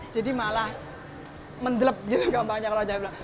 jadi malah mendleb gitu gambarnya kalau saya bilang